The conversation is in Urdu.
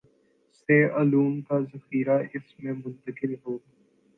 سے علوم کا ذخیرہ اس میں منتقل ہو